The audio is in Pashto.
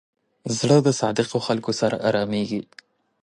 زړه د صادقو خلکو سره آرامېږي.